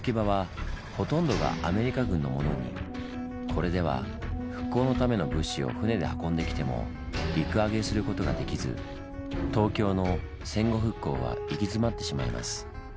これでは復興のための物資を船で運んできても陸揚げすることができず東京の戦後復興は行き詰まってしまいます。